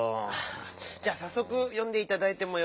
じゃさっそくよんでいただいてもよろしいですか？